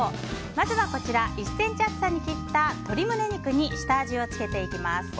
まずは、１ｃｍの厚さに切った鶏胸肉に下味をつけていきます。